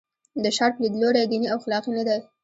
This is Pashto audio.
د شارپ لیدلوری دیني او اخلاقي نه دی.